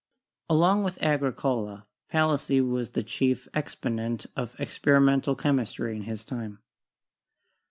Along with Agricola, Palissy was the chief exponent of experimental chemistry in his time.